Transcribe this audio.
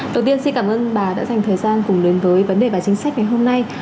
đầu tiên xin cảm ơn bà đã dành thời gian cùng đến với vấn đề và chính sách ngày hôm nay